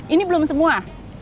ini belum semua